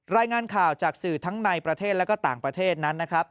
รายงานข่าวจากสื่อทั้งในประเทศและก็ต่างประเทศนั้นนะครับ